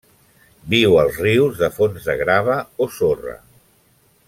Viu als rius de fons de grava o sorra.